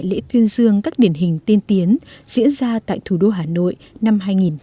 những việc làm tuyên dương các điển hình tiên tiến diễn ra tại thủ đô hà nội năm hai nghìn một mươi tám